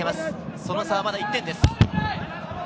その差はまだ１点です。